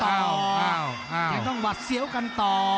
ยังต้องหวัดเสียวกันต่อ